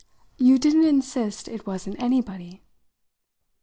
"You didn't insist it wasn't anybody!"